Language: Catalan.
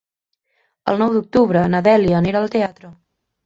El nou d'octubre na Dèlia anirà al teatre.